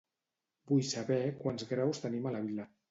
Vull saber quants graus tenim a la vila.